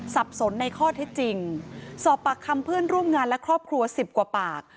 สับสนในข้อเท็จจริงสอบปากคำเพื่อนร่วมงานและครอบครัวสิบกว่าปาก